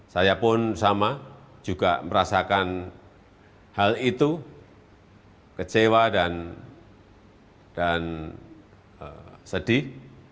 saya pun sama juga merasakan hal itu kecewa dan sedih